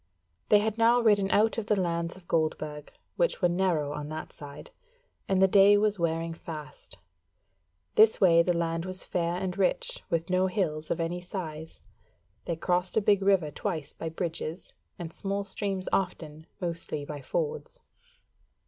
They had now ridden out of the lands of Goldburg, which were narrow on that side, and the day was wearing fast. This way the land was fair and rich, with no hills of any size. They crossed a big river twice by bridges, and small streams often, mostly by fords.